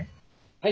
はい。